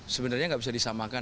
sebenarnya nggak bisa disamakan